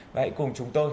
và hãy cùng chúng tôi